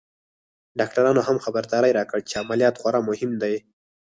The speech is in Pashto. ډاکترانو هم خبرداری راکړ چې عمليات خورا مهم دی.